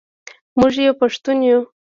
موږ یو پښتون یو.